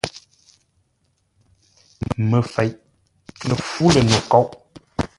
Məfeʼ lə fú lə̂ no kôʼ.